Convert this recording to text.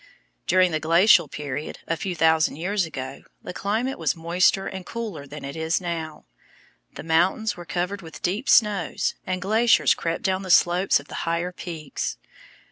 During the Glacial period, a few thousand years ago, the climate was moister and cooler than it is now. The mountains were covered with deep snows, and glaciers crept down the slopes of the higher peaks.